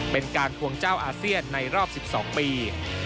เป็นการทวงเจ้าอาเซียนในรอบ๑๒ปี